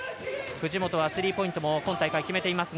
藤本はスリーポイントも今大会決めています。